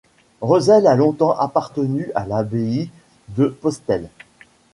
Reusel a longtemps appartenu à l'abbaye de Postel.